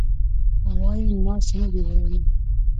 وایي: ما څه نه دي ویلي.